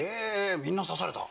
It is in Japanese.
みんな刺された？